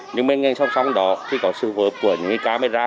những bên ngang song song đó thì có sự hợp của những camera